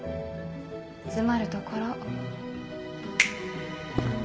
つまるところ。